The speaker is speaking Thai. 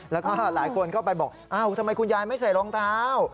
แล้วก็หลายคนเข้าไปบอกอ้าวทำไมคุณยายไม่ใส่รองเท้า